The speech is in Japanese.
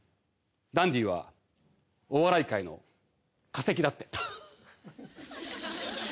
ダンディはお笑い界の化石だって。